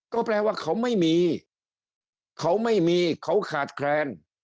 ก็แปลว่าเขาไม่มีเขาไม่มีเขาขาดแคลน